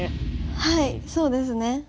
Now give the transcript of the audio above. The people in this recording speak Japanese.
はいそうですね。